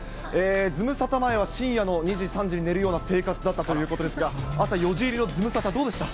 ズムサタ前は、深夜の２時、３時に寝るような生活だったということですが、朝４時入りのズムサタ、どうでした？